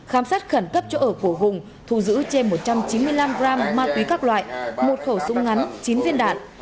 khám xét khẩn cấp chỗ ở của hùng thu giữ trên một trăm chín mươi năm gram ma túy các loại một khẩu súng ngắn chín viên đạn